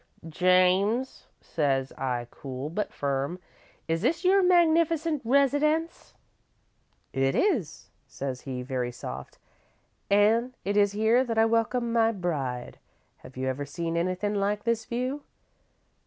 "'James,' says I, cool but firm, 'is this your magnificent residence?' "'It is,' says he, very soft, 'an' it is here that I welcome my bride. Have you ever seen anythin' like this view?'